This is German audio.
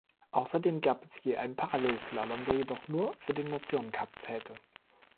Außerdem gab es je einen Parallel-Slalom, der jedoch nur für den Nationencup zählte.